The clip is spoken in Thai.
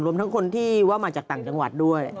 ทั้งคนที่ว่ามาจากต่างจังหวัดด้วย